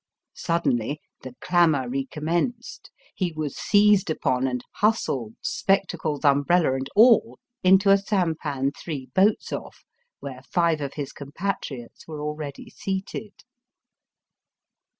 Suddenly the clamour recommenced. He was seized upon, and hustled, spectacles, umbrella, and all, into a sampan three boats off, where five of his compatriots were already seated.